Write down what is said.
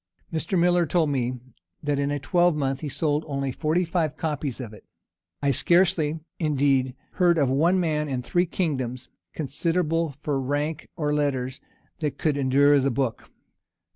Mr. Millar told me that in a twelvemonth he sold only forty five copies of it. I scarcely, indeed head of one man in the three kingdoms, considerable for rank or letters, that could endure the book.